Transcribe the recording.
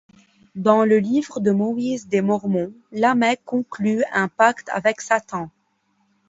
Dans le Livre de Moïse des Mormons, Lamech conclut un pacte avec Satan.